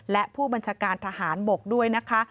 และผู้บัญชาการทหารบกด้วยนะคะ